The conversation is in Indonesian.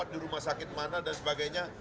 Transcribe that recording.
di rumah sakit mana dan sebagainya